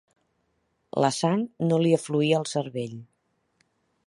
La sang no li afluïa al cervell.